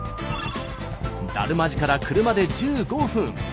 達磨寺から車で１５分。